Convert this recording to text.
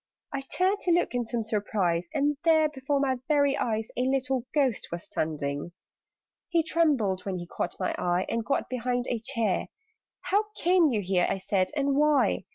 I turned to look in some surprise, And there, before my very eyes, A little Ghost was standing! He trembled when he caught my eye, And got behind a chair. "How came you here," I said, "and why?